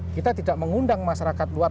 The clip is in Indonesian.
kita tidak mengundang masyarakat luar